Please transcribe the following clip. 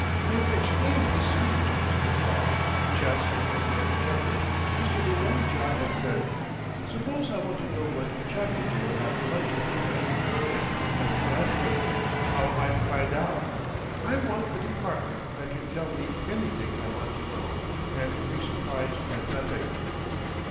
In explaining his scheme to Mr. Thaw, the Chancellor of the Exchequer, Mr. Llewellyn John had said, "Suppose I want to know what Chappeldale had for lunch yesterday, and don't like to ask him, how am I to find out? I want a Department that can tell me anything I want to know, and will be surprised at nothing."